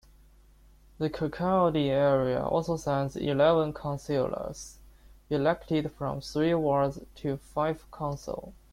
The Kirkcaldy area also sends eleven councillors, elected from three wards, to Fife Council.